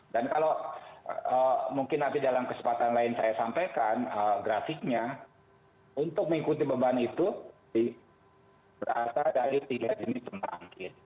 dan kalau mungkin nanti dalam kesempatan lain saya sampaikan grafiknya untuk mengikuti beban itu berasal dari tiga jenis pembangkit